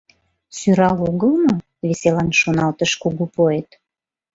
Сӧрал огыл мо?» — веселан шоналтыш кугу поэт.